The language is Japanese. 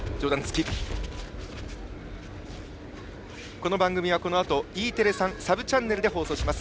この番組はこのあとＥテレ３サブチャンネルで放送します。